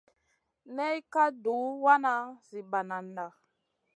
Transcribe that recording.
Nay ka duhw wana zi banada.